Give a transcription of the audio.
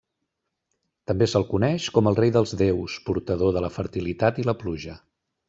També se'l coneix com el rei dels déus, portador de la fertilitat i la pluja.